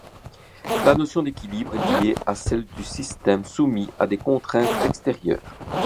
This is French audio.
La notion d'équilibre est liée à celle de système soumis à des contraintes extérieures.